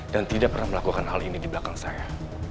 dan tidak pernah melakukan hal ini di belakang saya